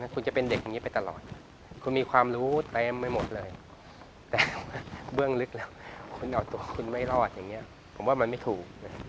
คุณจะเป็นเด็กอย่างนี้ไปตลอดคุณมีความรู้เต็มไปหมดเลยแต่ว่าเบื้องลึกแล้วคุณเอาตัวคุณไม่รอดอย่างนี้ผมว่ามันไม่ถูก